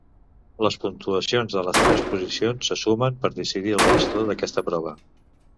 Les puntuacions de les tres posicions se sumen per decidir el vencedor d'aquesta prova.